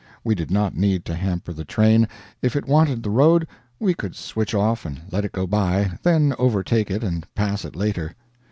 We did not need to hamper the train; if it wanted the road, we could switch off and let it go by, then overtake it and pass it later.